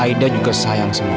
aida juga sayang semua